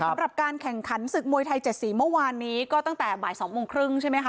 สำหรับการแข่งขันศึกมวยไทย๗สีเมื่อวานนี้ก็ตั้งแต่บ่าย๒โมงครึ่งใช่ไหมคะ